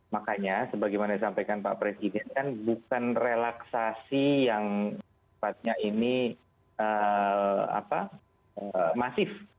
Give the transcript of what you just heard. makanya sebagaimana disampaikan pak presiden kan bukan relaksasi yang ini masif